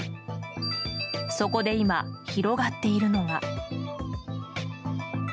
そこで今、広がっているのが。